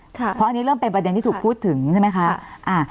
เพราะอันนี้เริ่มเป็นประเด็นที่ถูกพูดถึงใช่ไหมคะ